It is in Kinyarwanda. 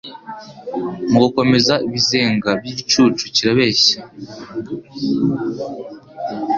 Mugukomeza ibizenga byigicucu kirabeshya